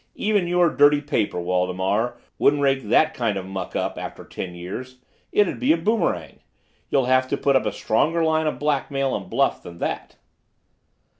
Even your dirty paper, Waldemar, wouldn't rake that kind of muck up after ten years. It'd be a boomerang. You'll have to put up a stronger line of blackmail and bluff than that."